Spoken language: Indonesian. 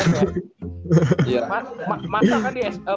masa kan di sm